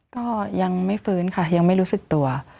ก็ยังไม่ฟื้นค่ะยังไม่รู้สึกตัว